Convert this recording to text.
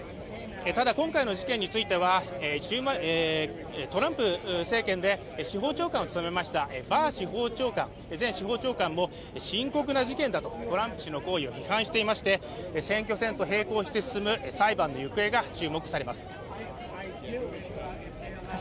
ただ今回の事件についてはトランプ政権で司法長官を務めました、前司法長官もトランプ氏の行為を批判していまして、選挙戦と並行して行われる裁判の行方が注目されます。